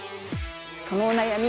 そのお悩み